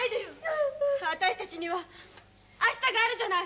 私たちには明日があるじゃない。